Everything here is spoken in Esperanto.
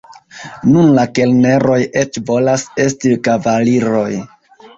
Nun la kelneroj eĉ volas esti kavaliroj.